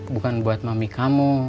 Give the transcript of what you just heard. bukan buat mami kamu